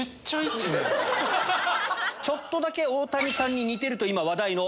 ちょっとだけ大谷さんに似てると今話題の。